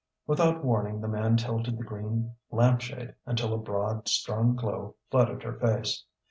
Without warning the man tilted the green lamp shade until a broad, strong glow flooded her face.